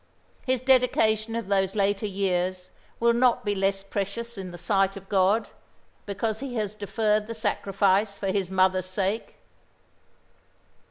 His dedication of those later years will not be less precious in the sight of God, because he has deferred the sacrifice for his mother's sake."